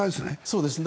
そうですね。